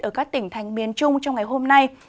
ở các tỉnh thành miền trung trong ngày hôm nay